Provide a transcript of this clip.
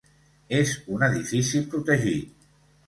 És un edifici protegit.